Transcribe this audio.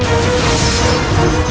ketika kanda menang kanda menang